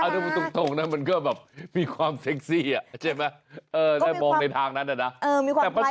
ถูกมันก็แบบมีความเซ็กซี่อ่ะใช่มั้ยแต่มองในทางนั้นอะไรนะแต่มันก็แปลก